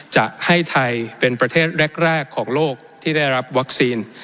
จะให้ไทยเป็นประเทศแรกของโลกที่ได้รับวัคซีน